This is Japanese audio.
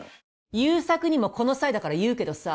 悠作にもこの際だから言うけどさぁ。